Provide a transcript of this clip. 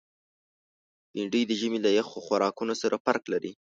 بېنډۍ د ژمي له یخو خوراکونو سره فرق لري